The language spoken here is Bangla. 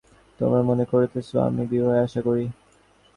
তোমরা মনে করিতেছ, আমি বিবাহের আশা করি?